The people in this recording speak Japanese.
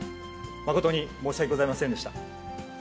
誠に申し訳ございませんでし